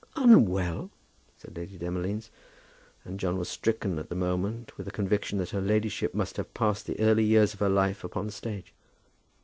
"Unwell!" said Lady Demolines. And John was stricken at the moment with a conviction that her ladyship must have passed the early years of her life upon the stage.